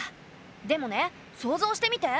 でもね想像してみて。